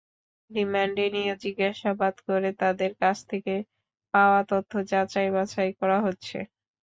রিমান্ডে নিয়ে জিজ্ঞাসাবাদ করে তাঁদের কাছ থেকে পাওয়া তথ্য যাচাই-বাছাই করা হচ্ছে।